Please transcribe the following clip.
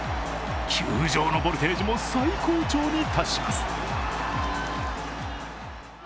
球場のボルテージも最高潮に達します。